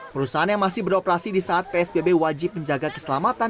perusahaan yang masih beroperasi di saat psbb wajib menjaga keselamatan